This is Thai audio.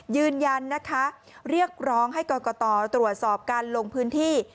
ยืนยันนะคะเรียกร้องให้กรกตตรวจสอบการลงพื้นที่